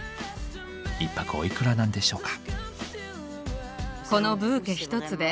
１泊おいくらなんでしょうか。